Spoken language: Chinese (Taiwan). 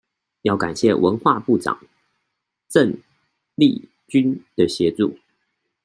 要感謝文化部長鄭麗君的協助